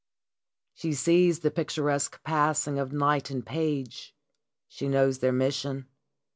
She sees the picturesque passing of knight and page. She knows their mission.